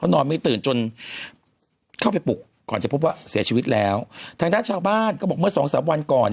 นอนไม่ตื่นจนเข้าไปปลุกก่อนจะพบว่าเสียชีวิตแล้วทางด้านชาวบ้านก็บอกเมื่อสองสามวันก่อน